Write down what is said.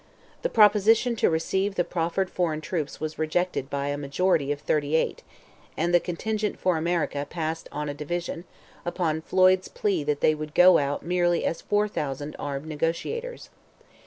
The proposition to receive the proffered foreign troops was rejected by a majority of thirty eight, and the contingent for America passed on a division, upon Flood's plea that they would go out merely as "4,000 armed negotiators."